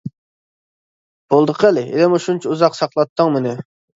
بولدى قىل، ھېلىمۇ شۇنچە ئۇزاق ساقلاتتىڭ مېنى.